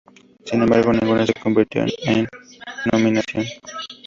Sin embargo, ninguna se convirtió en nominación.